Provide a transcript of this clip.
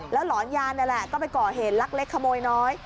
หลอนยานนี่แหละก็ไปก่อเหตุลักเล็กขโมยน้อย